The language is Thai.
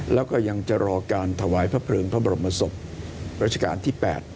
แล้วก็ยังจะรอการถวายพระเพลิงพระบรมศพรัชกาลที่๘